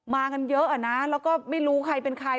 มากันเยอะอ่ะนะแล้วก็ไม่รู้ใครเป็นใคร